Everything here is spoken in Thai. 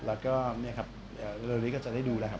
แล้วก็เนี่ยครับเร็วนี้ก็จะได้ดูแล้วครับ